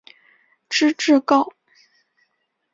知制诰。